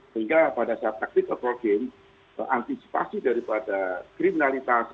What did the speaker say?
sehingga pada saat taktik program antisipasi daripada kriminalitas